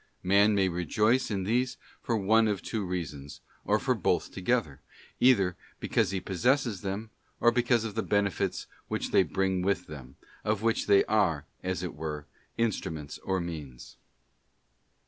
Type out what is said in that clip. Man may rejoice in these for one of two reasons, or for both together, either because he possesses them, or because of the benefits which they bring with them, of which they are, as it were, instruments or means.